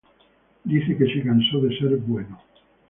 Dice que se cansó de ser bueno"